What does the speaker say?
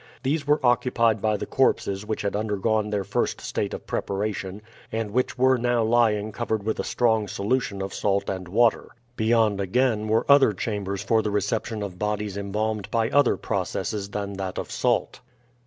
These were occupied by the corpses which had undergone their first state of preparation, and which were now lying covered with a strong solution of salt and water. Beyond again were other chambers for the reception of bodies embalmed by other processes than that of salt.